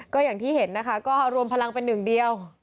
ก็อย่างที่เห็นนะคะก็รวมพลังเป็นหนึ่งเดียว